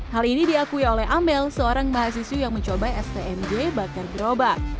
hal ini diakui oleh amel seorang mahasiswi yang mencoba stmj bakar gerobak